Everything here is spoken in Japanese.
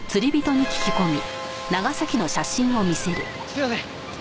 すいません。